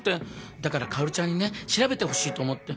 だから薫ちゃんにね調べてほしいと思って。